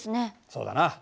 そうだな。